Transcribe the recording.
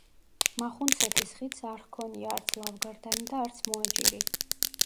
მახუნცეთის ხიდს არ ჰქონია არც ლავგარდანი და არც მოაჯირი.